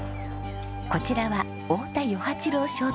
こちらは太田與八郎商店。